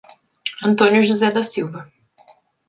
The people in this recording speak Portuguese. Antônio José da Silva